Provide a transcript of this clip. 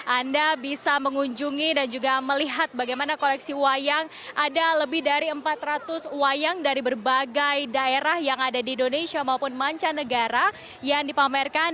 anda bisa mengunjungi dan juga melihat bagaimana koleksi wayang ada lebih dari empat ratus wayang dari berbagai daerah yang ada di indonesia maupun mancanegara yang dipamerkan